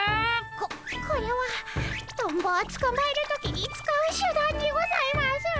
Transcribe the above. ここれはトンボをつかまえる時に使う手段にございます。